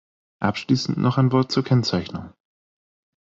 Abschließend noch ein Wort zur Kennzeichnung.